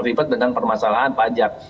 ribet dengan permasalahan pajak